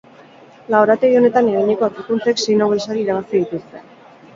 Laborategi honetan eginiko aurkikuntzek sei Nobel sari irabazi dituzte.